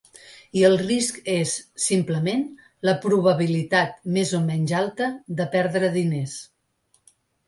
I el risc és, simplement, la probabilitat, més o menys alta, de perdre diners.